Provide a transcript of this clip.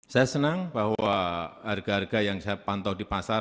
saya senang bahwa harga harga yang saya pantau di pasar